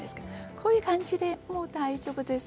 こういう感じで大丈夫です。